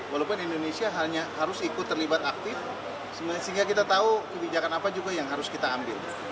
walaupun indonesia harus ikut terlibat aktif sehingga kita tahu kebijakan apa juga yang harus kita ambil